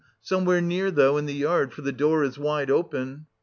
Somewhere near though, in the yard, for the door is wide open."